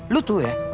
lu tuh ya